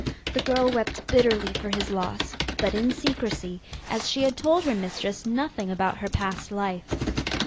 The girl wept bitterly for his loss, but in secrecy, as she had told her mistress nothing about her past life.